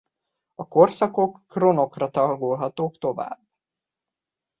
A korszakok kronokra tagolhatók tovább.